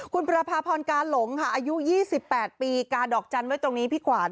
คุณประพาพรกาหลงค่ะอายุ๒๘ปีกาดอกจันทร์ไว้ตรงนี้พี่ขวาน